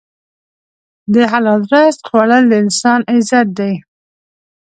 د حلال رزق خوړل د انسان عزت دی.